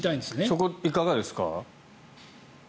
そこはいかがですか？